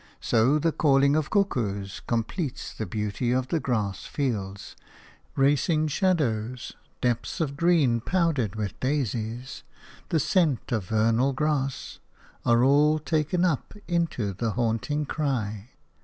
So the calling of cuckoos completes the beauty of the grass fields – racing shadows, depths of green powdered with daisies, the scent of vernal grass, are all taken up into the haunting cry.